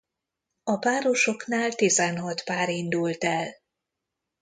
A párosoknál tizenhat pár indult el.